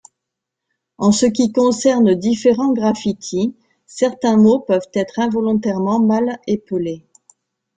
En ce qui concerne différents graffitis, certains mots peuvent être involontairement mal épelés.